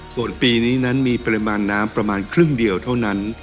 ส่วนปีนี้นั้นมีปริมาณน้ำประมาณครึ่งเดียวเท่านั้น